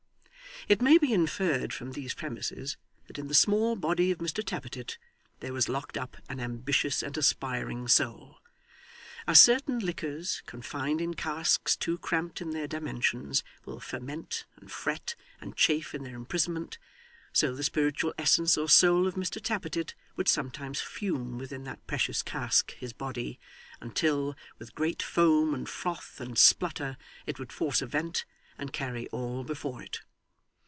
It may be inferred from these premises, that in the small body of Mr Tappertit there was locked up an ambitious and aspiring soul. As certain liquors, confined in casks too cramped in their dimensions, will ferment, and fret, and chafe in their imprisonment, so the spiritual essence or soul of Mr Tappertit would sometimes fume within that precious cask, his body, until, with great foam and froth and splutter, it would force a vent, and carry all before it.